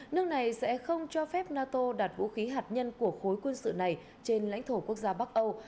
nước này sẽ không cho phép nato đặt vũ khí hạt nhân của khối quân sự này trên lãnh thổ quốc gia bắc âu